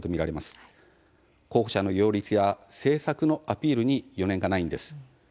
候補者の擁立や政策のアピールに余念がないんです。